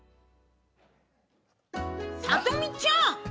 さとみちゃん！